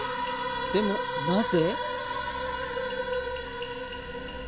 でもなぜ？